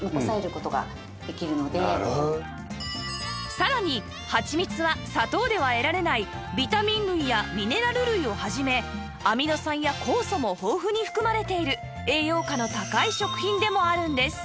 さらにはちみつは砂糖では得られないビタミン類やミネラル類を始めアミノ酸や酵素も豊富に含まれている栄養価の高い食品でもあるんです